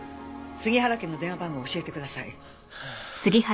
杉原家の電話番号を教えてください。